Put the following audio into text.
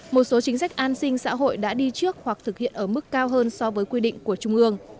một số chính sách an sinh xã hội đã đi trước hoặc thực hiện ở mức cao hơn so với quy định của trung ương